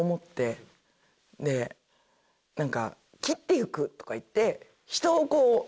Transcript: でなんか「斬っていく！」とか言って。